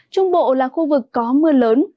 trung bộ là khu vực có mưa lớn